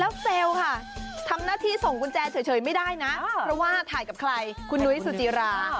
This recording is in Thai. แล้วเซลล์ค่ะทำหน้าที่ส่งกุญแจเฉยไม่ได้นะเพราะว่าถ่ายกับใครคุณนุ้ยสุจิรา